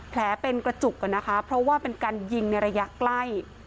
แผลเป็นกระจุกอะนะคะเพราะว่าเป็นการยิงในระยะใกล้